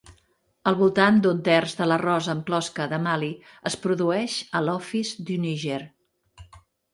Al voltant d'un terç de l'arròs amb closca de Mali es produeix a l'Office du Niger.